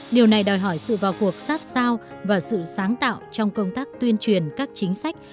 điều này đòi hỏi sự vào cuộc sát sao và sự sáng tạo trong công tác tuyên truyền các chính sách